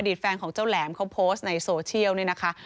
แฟนของเจ้าแหลมเขาโพสต์ในโซเชียลเนี่ยนะคะ